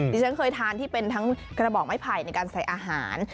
ที่ฉันเคยทานที่เป็นทั้งกระบอกไม้ไผ่ในการใส่อาหาร